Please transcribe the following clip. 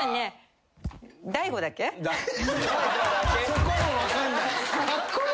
そこも分かんない？